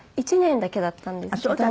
１年だけだったんですけど。